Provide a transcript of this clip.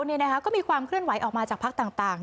นี่นะคะก็มีความเคลื่อนไหวออกมาจากพักต่าง